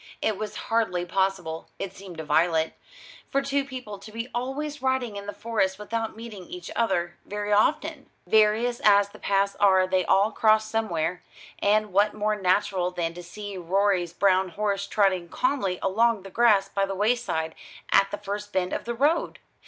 It was hardly possible, it seemed to Violet, for two people to be always riding in the Forest without meeting each other very often. Various as the paths are they all cross somewhere: and what more natural than to see Rorie's brown horse trotting calmly along the grass by the wayside, at the first bend of the road?